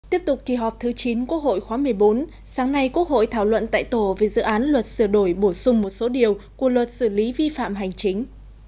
tiếp tục kỳ họp thứ chín quốc hội khóa một mươi bốn sáng nay quốc hội thảo luận tại tổ về dự án luật sửa đổi bổ sung một số điều của luật xử lý vi phạm hành chính